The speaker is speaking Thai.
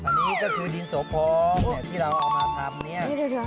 อันนี้ก็คือดินโสพอที่เราเอามาทำเนี่ย